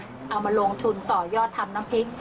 เอามาลงทุนต่อยอดทำน้ำพริก